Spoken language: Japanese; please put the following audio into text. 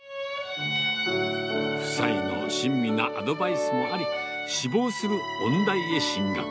夫妻の親身なアドバイスもあり、志望する音大へ進学。